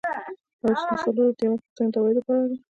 یو سل او څلور اتیایمه پوښتنه د عوایدو په اړه ده.